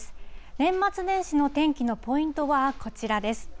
年末年始の天気のポイントはこちらです。